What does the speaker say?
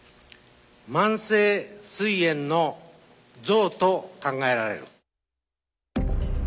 慢性すい炎の像と考えられる。